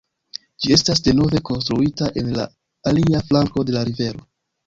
Ĝi estis denove konstruita en la alia flanko de la rivero.